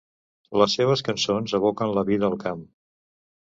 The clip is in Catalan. Les seves cançons evoquen la vida al camp.